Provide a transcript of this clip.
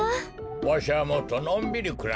わしはもっとのんびりくらしたいなあ。